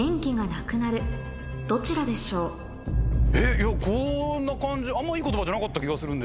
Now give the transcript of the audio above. いやこんな感じ。